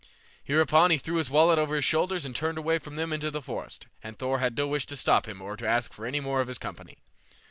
Hereupon he threw his wallet over his shoulders and turned away from them into the forest, and Thor had no wish to stop him or to ask for any more of his company.